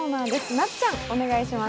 なっちゃん、お願いします。